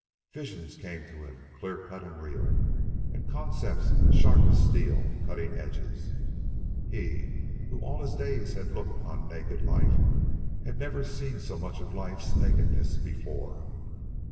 Visions came to him, clear cut and real, and concepts sharp as steel cutting edges. He, who all his days had looked on naked Life, had never seen so much of Life's nakedness before.